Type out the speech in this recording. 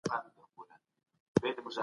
اسلامي تاریخ د علم بېلګې لري.